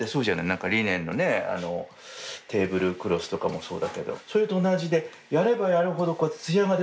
なんかリネンのねテーブルクロスとかもそうだけどそれと同じでやればやるほどこうやってツヤが出てくるんですよね。